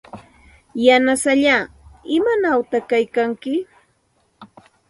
Yanasallaa, ¿imanawta kaykanki?